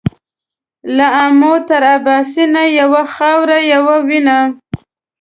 له آمو تر اباسینه یوه خاوره یو وینه